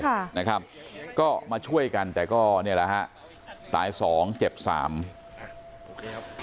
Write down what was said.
ค่ะนะครับก็มาช่วยกันแต่ก็เนี่ยแหละฮะตายสองเจ็บสาม